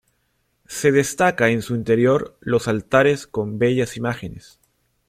Se destaca en su interior los altares con bellas imágenes.